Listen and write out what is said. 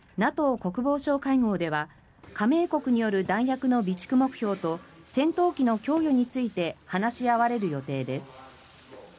国防相会合では加盟国による弾薬の備蓄目標と戦闘機の供与について話し合われる予定です。